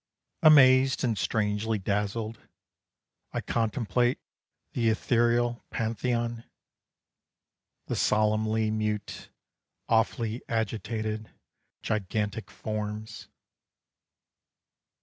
Amazed and strangely dazzled, I contemplate The ethereal Pantheon. The solemnly mute, awfully agitated, Gigantic forms.